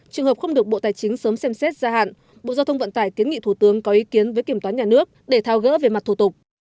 trường hợp không được bộ tài chính sớm xem xét gia hạn bộ giao thông vận tải kiến nghị thủ tướng có ý kiến với kiểm toán nhà nước để thao gỡ về mặt thủ tục